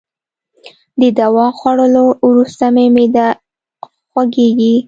د دوا خوړولو وروسته مي معده خوږیږي.